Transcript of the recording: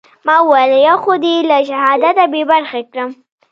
ما وويل يو خو دې له شهادته بې برخې کړم.